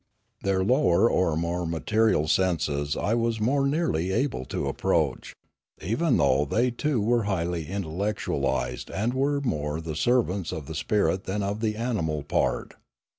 Their lower or more material senses I was more nearly able to approach, even though they too were highly intellectualised and were more the servants of the spirit than of the animal part.